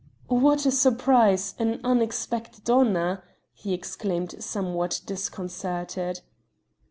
"What a surprise!... An unexpected honor!" he exclaimed somewhat disconcerted.